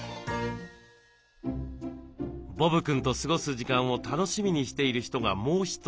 ボブくんと過ごす時間を楽しみにしている人がもう一人。